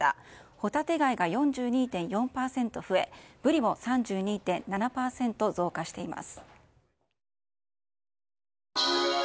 ホタテガイが４２．４％増えブリも３２．７％増加しています。